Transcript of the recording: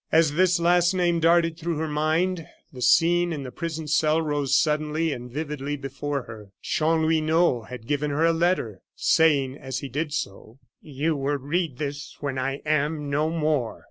As this last name darted through her mind, the scene in the prison cell rose suddenly and vividly before her. Chanlouineau had given her a letter, saying as he did so: "You will read this when I am no more."